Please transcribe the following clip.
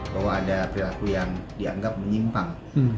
bahwa ada perilaku yang dianggap menyimpang